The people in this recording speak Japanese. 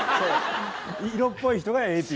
色っぽい人がＡＰ。